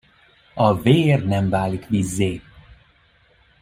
A vér nem válik vízzé.